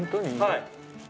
はい。